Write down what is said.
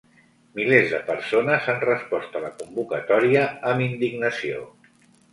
Milers de persones han respost a la convocatòria amb indignació.